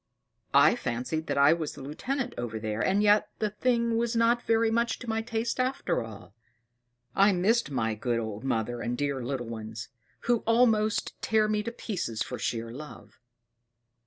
I fancied that I was the lieutenant over there: and yet the thing was not very much to my taste after all. I missed my good old mother and the dear little ones; who almost tear me to pieces for sheer love."